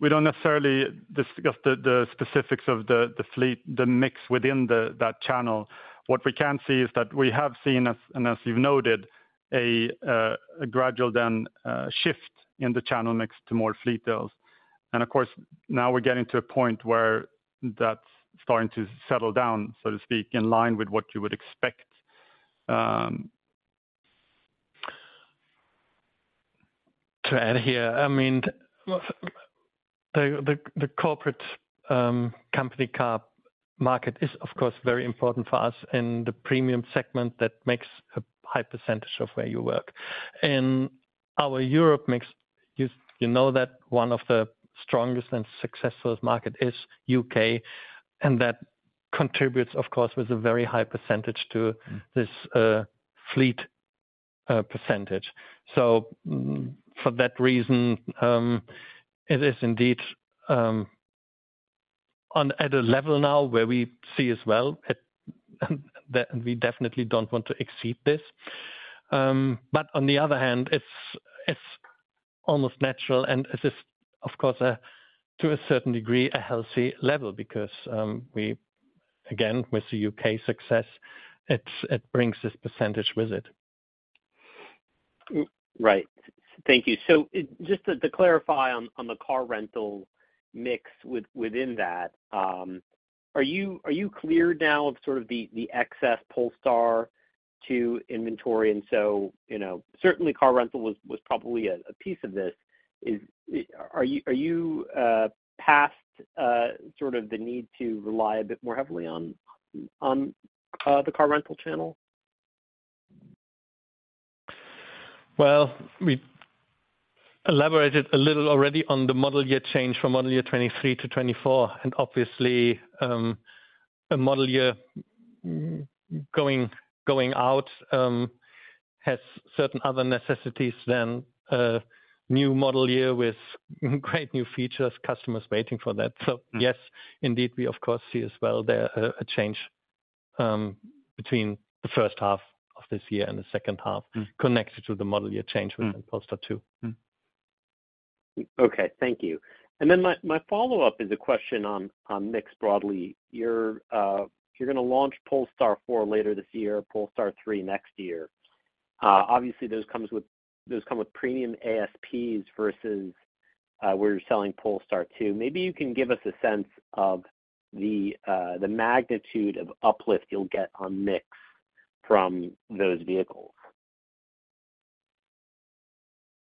we don't necessarily discuss the specifics of the fleet, the mix within that channel. What we can see is that we have seen, as you've noted, a gradual then shift in the channel mix to more fleet sales. And of course, now we're getting to a point where that's starting to settle down, so to speak, in line with what you would expect. To add here, I mean, the corporate company car market is, of course, very important for us in the premium segment that makes a high percentage of where you work. In our Europe mix, you know that one of the strongest and successful market is U.K., and that contributes, of course, with a very high percentage to this fleet percentage. So, for that reason, it is indeed at a level now where we see as well, and we definitely don't want to exceed this. But on the other hand, it's almost natural, and it is, of course, to a certain degree, a healthy level. Because, again, with the U.K. success, it brings this percentage with it. Right. Thank you. So just to clarify on the car rental mix within that, are you clear now of sort of the excess Polestar 2 inventory? And so, you know, certainly car rental was probably a piece of this. Are you past sort of the need to rely a bit more heavily on the car rental channel? Well, we elaborated a little already on the model year change from model year 2023 to 2024, and obviously, a model year going out has certain other necessities than a new model year with great new features, customers waiting for that. Mm. Yes, indeed, we of course see as well there a change between the first half of this year and the second half- Mm... connected to the model year change- Mm - with the Polestar 2. Okay, thank you. Then my follow-up is a question on mix broadly. You're going to launch Polestar 4 later this year, Polestar 3 next year. Obviously, those come with premium ASPs versus where you're selling Polestar 2. Maybe you can give us a sense of the magnitude of uplift you'll get on mix from those vehicles.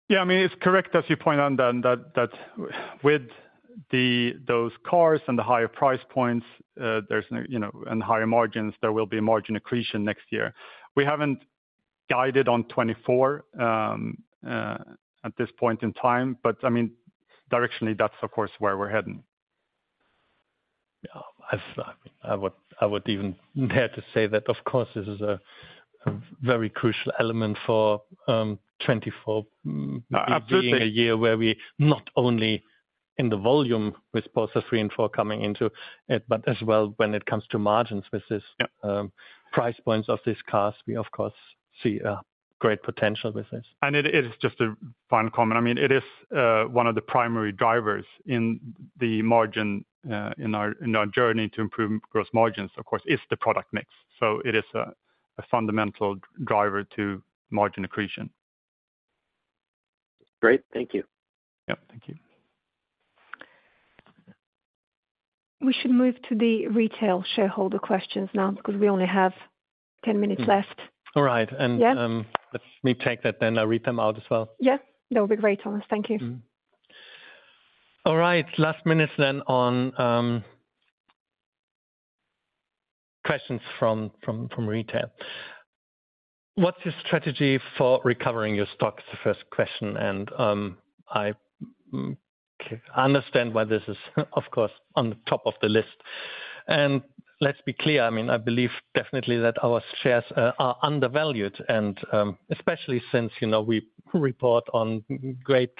Yeah, I mean, it's correct, as you point out, then, that with those cars and the higher price points, there's no, you know, and higher margins, there will be margin accretion next year. We haven't guided on 2024, at this point in time, but I mean, directionally, that's, of course, where we're heading. Yeah, I would even dare to say that, of course, this is a very crucial element for 2024- I'd say- - being a year where we not only in the volume with Polestar 3 and 4 coming into it, but as well, when it comes to margins with this- Yep... price points of these cars, we of course see a great potential with this. It is just a final comment. I mean, it is one of the primary drivers in the margin, in our journey to improve gross margins, of course, is the product mix. So it is a fundamental driver to margin accretion. Great. Thank you. Yep. Thank you. We should move to the retail shareholder questions now, because we only have 10 minutes left. All right. Yeah. Let me take that, then read them out as well. Yeah, that would be great, Thomas. Thank you. Mm-hmm. All right. Last minute then on questions from retail. What's your strategy for recovering your stocks? The first question. Okay, I understand why this is of course on the top of the list. And let's be clear, I mean, I believe definitely that our shares are undervalued, and especially since, you know, we report on great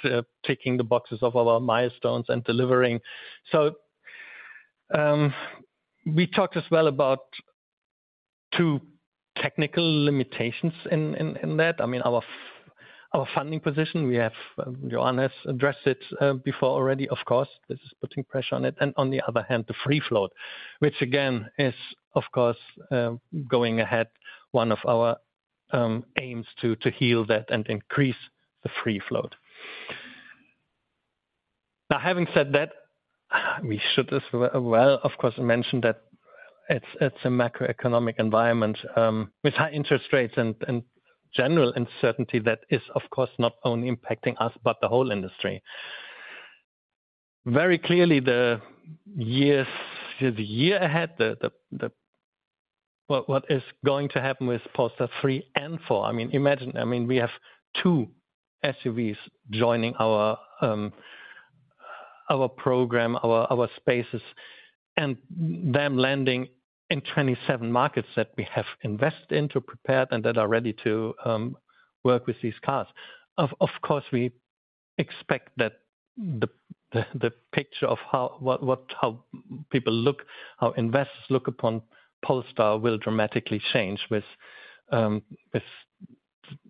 ticking the boxes of our milestones and delivering. So we talked as well about two technical limitations in that. I mean, our funding position, we have... Johan addressed it before already. Of course, this is putting pressure on it, and on the other hand, the free float, which again is of course going ahead one of our aims to heal that and increase the free float. Now, having said that, we should as well, of course, mention that it's a macroeconomic environment with high interest rates and general uncertainty that is, of course, not only impacting us, but the whole industry. Very clearly, the year ahead. What is going to happen with Polestar 3 and 4? I mean, imagine, I mean, we have two SUVs joining our program, our spaces, and them landing in 27 markets that we have invested into, prepared, and that are ready to work with these cars. Of course, we expect that the picture of how people look, how investors look upon Polestar will dramatically change with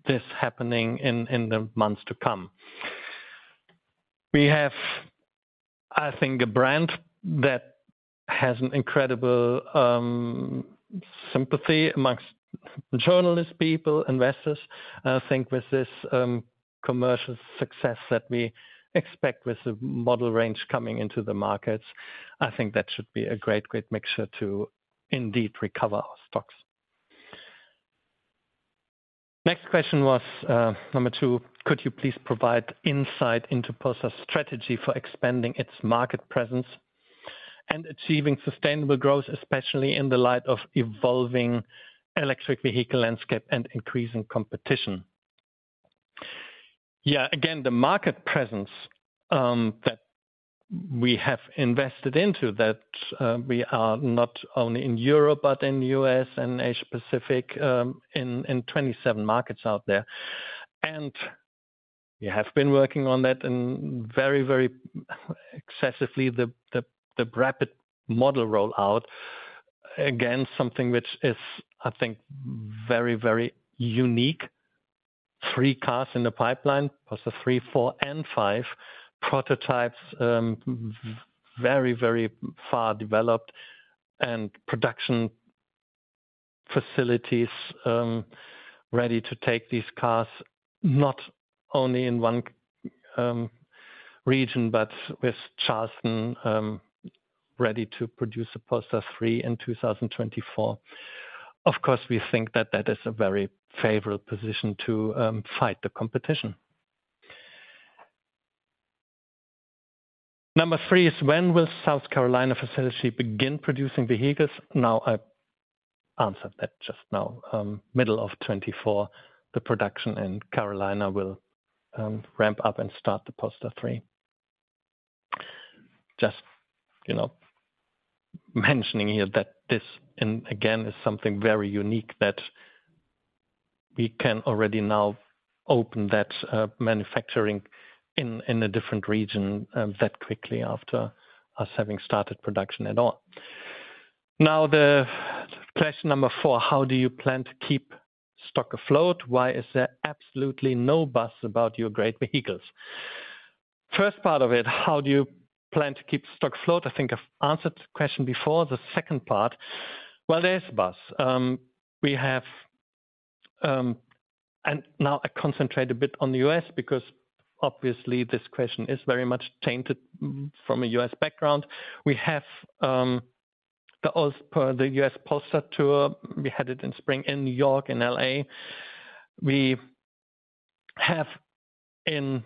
this happening in the months to come. We have, I think, a brand that has an incredible sympathy amongst the journalist people investors. I think with this commercial success that we expect with the model range coming into the markets, I think that should be a great, great mixture to indeed recover our stocks. Next question was number two: Could you please provide insight into Polestar's strategy for expanding its market presence and achieving sustainable growth, especially in the light of evolving electric vehicle landscape and increasing competition? Yeah, again, the market presence that we have invested into that, we are not only in Europe, but in U.S. and Asia Pacific, in 27 markets out there. And we have been working on that in very, very excessively, the rapid model rollout. Again, something which is, I think, very, very unique. Three cars in the pipeline, Polestar 3, 4, and 5 prototypes, very, very far developed, and production facilities, ready to take these cars, not only in one region, but with Charleston, ready to produce a Polestar 3 in 2024. Of course, we think that that is a very favorable position to fight the competition. Number three is: when will South Carolina facility begin producing vehicles? Now, I answered that just now. Middle of 2024, the production in Carolina will ramp up and start the Polestar 3. Just, you know, mentioning here that this, and again, is something very unique that we can already now open that manufacturing in a different region that quickly after us having started production at all. Now, the question number four: How do you plan to keep stock afloat? Why is there absolutely no buzz about your great vehicles? First part of it, how do you plan to keep stock afloat? I think I've answered the question before. The second part, well, there's a buzz. And now I concentrate a bit on the U.S. because obviously this question is very much tainted from a U.S. background. We have the U.S. Polestar Tour. We had it in spring in New York and L.A. We have in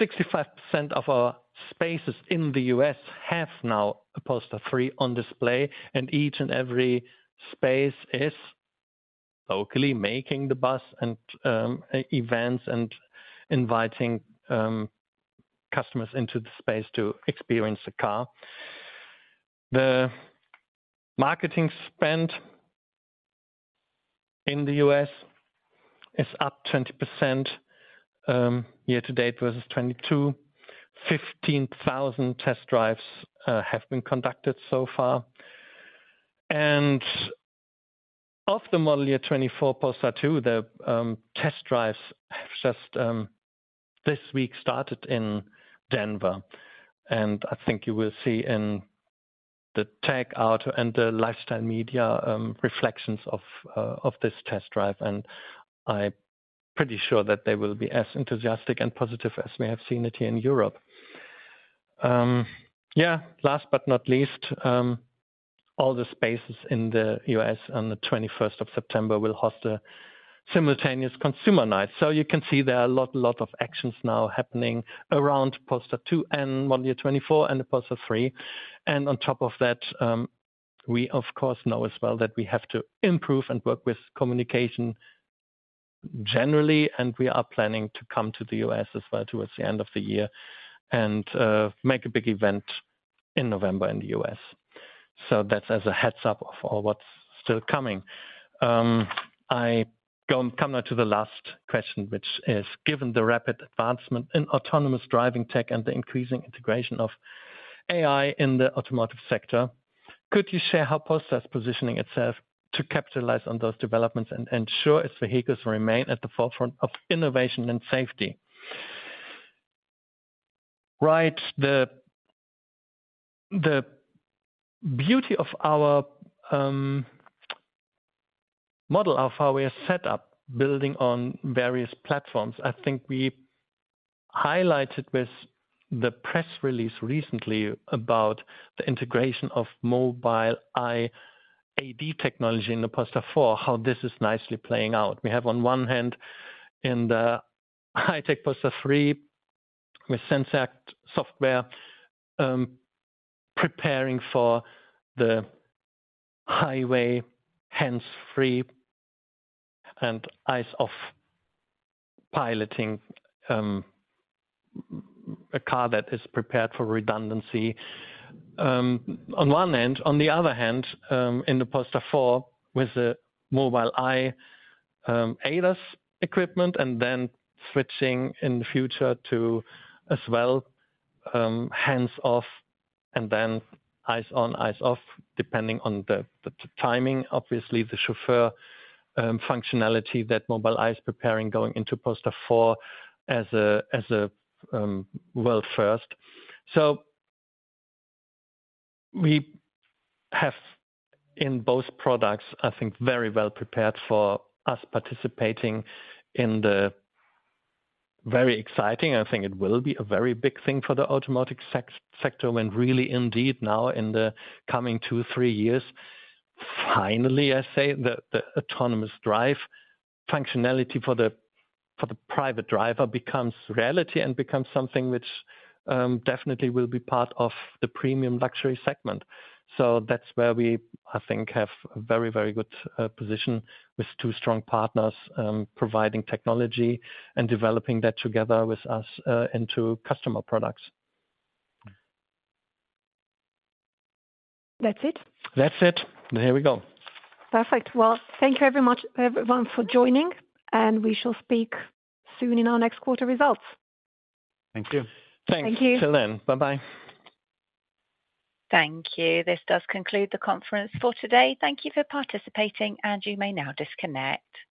65% of our spaces in the U.S. have now a Polestar 3 on display, and each and every space is locally making the buzz and events and inviting customers into the space to experience the car. The marketing spend in the U.S. is up 20%, year to date versus 2022. 15,000 test drives have been conducted so far. And of the model year 2024 Polestar 2, the test drives have just this week started in Denver, and I think you will see in the tech auto and the lifestyle media reflections of this test drive, and I'm pretty sure that they will be as enthusiastic and positive as we have seen it here in Europe. Yeah, last but not least, all the spaces in the U.S. on the 21st of September will host a simultaneous consumer night. So you can see there are a lot, lot of actions now happening around Polestar 2 and model year 2024 and the Polestar 3. And on top of that, we of course know as well that we have to improve and work with communication generally, and we are planning to come to the U.S. as well towards the end of the year and, make a big event in November in the U.S. So that's as a heads up of all what's still coming. I come now to the last question, which is: Given the rapid advancement in autonomous driving tech and the increasing integration of AI in the automotive sector, could you share how Polestar is positioning itself to capitalize on those developments and ensure its vehicles remain at the forefront of innovation and safety? Right. The beauty of our model of how we are set up, building on various platforms, I think we highlighted with the press release recently about the integration of Mobileye ADAS technology in the Polestar 4, how this is nicely playing out. We have on one hand, in the high-tech Polestar 3, with Zenseact software, preparing for the highway, hands-free, and eyes-off piloting, a car that is prepared for redundancy, on one end. On the other hand, in the Polestar 4, with the Mobileye ADAS equipment, and then switching in the future to, as well, hands-off and then eyes-on, eyes-off, depending on the timing, obviously, the Chauffeur functionality that Mobileye is preparing going into Polestar 4 as a world first. So we have in both products, I think, very well prepared for us participating in the very exciting, I think it will be a very big thing for the automotive sector, when really indeed now in the coming two to three years, finally the autonomous drive functionality for the, for the private driver becomes reality and becomes something which definitely will be part of the premium luxury segment. So that's where we, I think, have a very, very good position with two strong partners providing technology and developing that together with us into customer products. That's it? That's it. Here we go. Perfect. Well, thank you very much, everyone, for joining, and we shall speak soon in our next quarter results. Thank you. Thanks. Thank you. Till then. Bye-bye. Thank you. This does conclude the conference for today. Thank you for participating, and you may now disconnect.